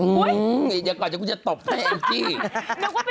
เฮ้ยเดี๋ยวก่อนถึงจะตบแม่แอิมจี้หึ